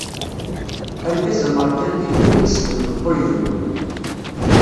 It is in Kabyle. Argaz ameṛkanti d win ikesben meṭṭu ibennun.